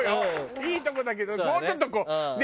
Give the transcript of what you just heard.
いい所だけどもうちょっとこうねえ？